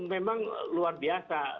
memang luar biasa